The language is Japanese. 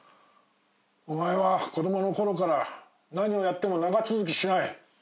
お前は子供のころから何をやっても長続きしない。